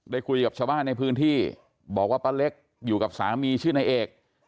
คุยกับชาวบ้านในพื้นที่บอกว่าป้าเล็กอยู่กับสามีชื่อนายเอก